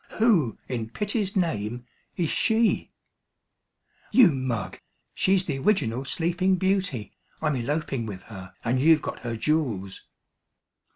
Who, in pity's name, is she?" "You mug she's the Original Sleeping Beauty. I'm eloping with her, and you've got her jewels."